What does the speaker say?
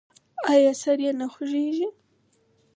ایا سر یې نه خوږیږي؟